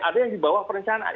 ada yang di bawah perencanaan